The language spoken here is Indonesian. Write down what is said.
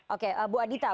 oke bu adita